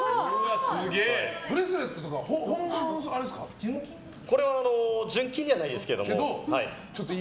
ブレスレットとかはこれは、純金ではないですけど。